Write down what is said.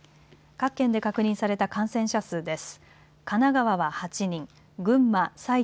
各県で確認された感染者数です。